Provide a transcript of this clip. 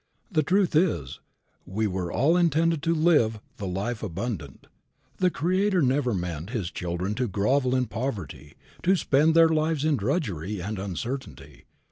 The truth is we were all intended to live the life abundant. The Creator never meant His children to grovel in poverty, to spend their lives in drudgery and uncertainty.